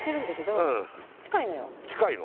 近いの？